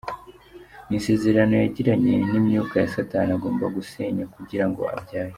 Ni isezerano yagiranye n’imyuka ya satani agomba gusenya kugira ngo abyare.